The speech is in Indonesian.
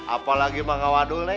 apalagi mah ngga wadul neng